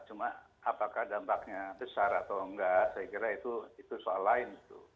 cuma apakah dampaknya besar atau enggak saya kira itu soal lain